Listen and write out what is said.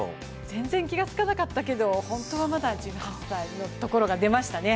全然気が付かなかったけど、本当はまだ１８歳のところが出ましたね。